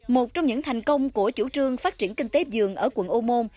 một trong những thành công của chủ trương phát triển kinh tế vườn ở quận âu môn